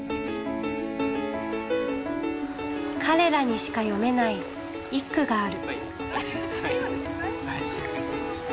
彼らにしか詠めない一句がある。